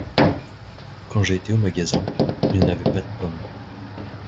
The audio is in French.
Quand j’ai été au magasin, ils n’avaient pas de pommes.